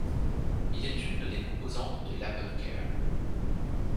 Il est une des composantes de l’AppleCare.